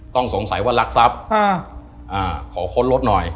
ต้องสงสัยว่ารักทรัพย์ขอค้นรถหน่อย